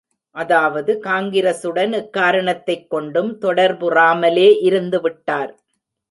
அதாவது காங்கிரசுடன் எக்காரணத்தைக் கொண்டும் தொடர்புறாமலே இருந்துவிட்டார்.